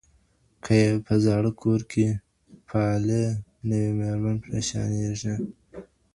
که ئې په زاړه کور کي پالي نوې ميرمن پريشانيږي.